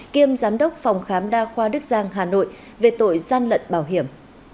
kiêm giám đốc phòng khám đa khoa đức giang hà nội về tội gian lận bảo hiểm